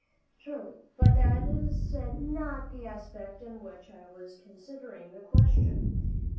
"Surely. But that is not the aspect in which I was considering the question.